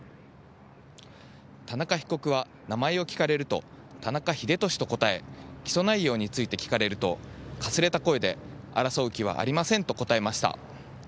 田中被告は名前を聞かれると田中英寿と答え起訴内容について聞かれるとかすれた声で争う気はありませんと答えました。